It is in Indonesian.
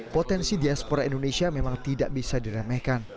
potensi diaspora indonesia memang tidak bisa diremehkan